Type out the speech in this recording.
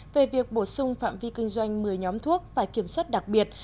về việc bổ sung phạm vi kinh doanh một mươi nhóm thuốc phải kiểm soát đặc biệt